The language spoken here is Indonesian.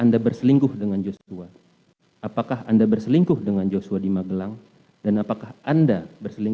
disini anda diindikasi berbohong